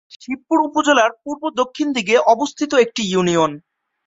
শিবপুর উপজেলার পূর্ব দক্ষিণ দিকে অবস্থিত একটি ইউনিয়ন।